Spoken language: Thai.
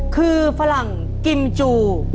คือฝรั่งกิมจู